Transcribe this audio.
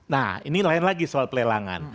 nah ini lain lagi soal pelelangan